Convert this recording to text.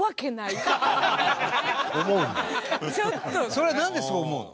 それはなんでそう思うの？